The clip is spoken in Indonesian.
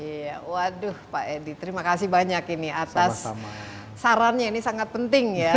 iya waduh pak edi terima kasih banyak ini atas sarannya ini sangat penting ya